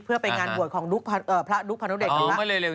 เพื่อไปงานบวชของพระดุคพนธ์เด็กตรงนั้น